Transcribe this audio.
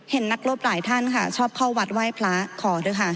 เห็นนักรบหลายท่านค่ะชอบเข้าวัดไหว้พระขอด้วยค่ะ